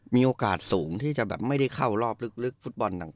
มีโอกาสสูงที่จะแบบไม่ได้เข้ารอบลึกฟุตบอลต่าง